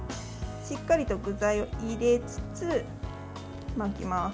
しっかりと具材を入れつつ巻きます。